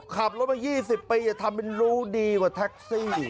ขับรถมา๒๐ปีอย่าทำเป็นรู้ดีกว่าแท็กซี่